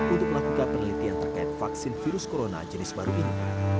untuk melakukan penelitian terkait vaksin virus corona jenis baru ini